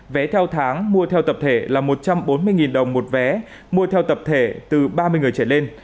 vé theo tháng mua theo tập thể là một trăm bốn mươi đồng một vé mua theo tập thể từ ba mươi người trở lên